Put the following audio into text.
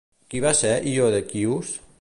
Qui va ser Ió de Quios?